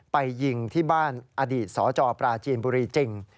ไปยิงที่บ้านอดีตสจปราจีนบุรีจริง